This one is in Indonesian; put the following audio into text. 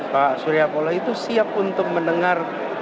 pak surya paloh itu siap untuk mendengar